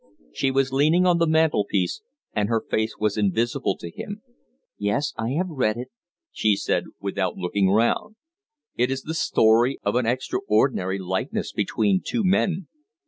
She was leaning on the mantel piece and her face was invisible to him. "Yes, I have read it," she said, without looking round. "It is the story of an extraordinary likeness between two men.